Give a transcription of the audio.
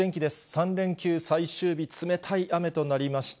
３連休最終日、冷たい雨となりました。